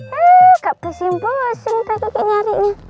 suka kesimpul sentra kiki nyarinya